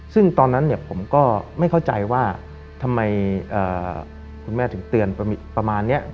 ซึ่งตอนนั้นผมก็ไม่เข้าใจว่าทำไมคุณแม่ถึงเตือนประมาณนี้